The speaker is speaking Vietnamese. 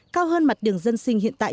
cao hơn mặt đường dân sinh hiện tại